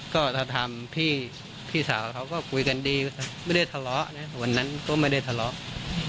ก็ถ้าทำพี่สาวเขาก็คุยกันดีไม่ได้ทะเลาะนะวันนั้นก็ไม่ได้ทะเลาะ